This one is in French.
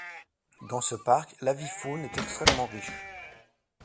Dans ce parc l'avifaune est extrêmement riche.